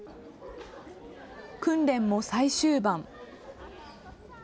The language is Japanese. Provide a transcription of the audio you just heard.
訓練も最終盤。